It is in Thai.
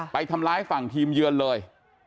ไปทำร้ายฝั่งทีมเยือนเลย